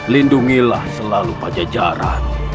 lindungilah selalu pajajaran